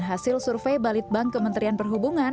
hasil survei balitbank kementerian perhubungan